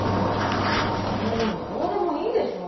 そんなのどうでもいいでしょ。